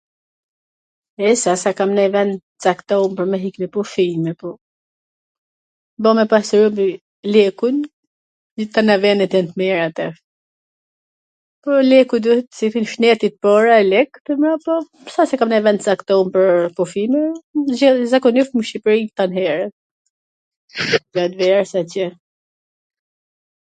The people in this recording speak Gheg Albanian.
E s a se kam nonj ven t caktum pwr me ik me pushime, po bo me pas robi lekun, twna venet jan t mira ater, por leku duhet, shneti para leku mbrapa, s a se kam nonj ven t caktium pwr pushime, zakonisht nw Shqipri koh vere, gjat verws atje